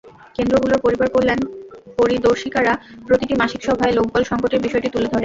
কেন্দ্রগুলোর পরিবার কল্যাণ পরিদর্শিকারা প্রতিটি মাসিক সভায় লোকবল সংকটের বিষয়টি তুলে ধরেন।